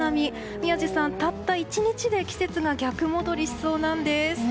宮司さんたった１日で季節が逆戻りしそうなんです。